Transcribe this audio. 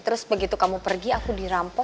terus begitu kamu pergi aku dirampok